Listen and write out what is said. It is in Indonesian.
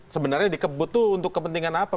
sebenarnya dikebut itu untuk kepentingan apa